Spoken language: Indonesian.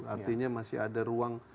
artinya masih ada ruang